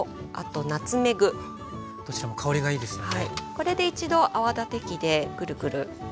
これで一度泡立て器でぐるぐる。